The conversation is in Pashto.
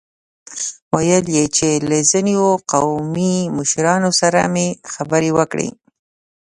ويل يې چې له ځينو قومي مشرانو سره مې خبرې وکړې.